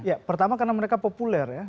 ya pertama karena mereka populer ya